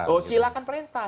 oh silahkan perintah